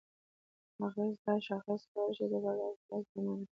اغېز: دا شاخص کولی شي د بازار احساسات اغیزمن کړي؛